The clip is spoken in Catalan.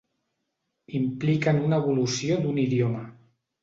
Impliquen una evolució d'un idioma.